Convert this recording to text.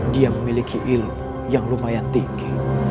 dia memiliki ilmu yang lumayan tinggi